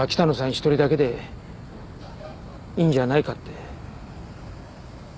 一人だけでいいんじゃないかって。